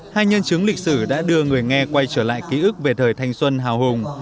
hai nhân chứng lịch sử đã đưa người nghe quay trở lại ký ức về thời thanh xuân hào hùng